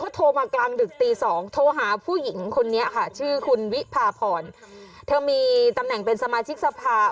โทรมากลางดึกตี๒โทรหาผู้หญิงคนนี้ค่ะชื่อคุณวิพาพรเธอมีตำแหน่งเป็นสมาชิกสภา